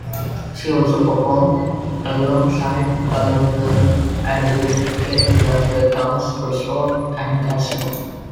She also performed alongside Earl Turner at the Westgate Las Vegas Resort and Casino.